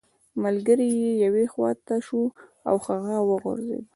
ملګری یې یوې خوا ته شو او هغه وغورځیده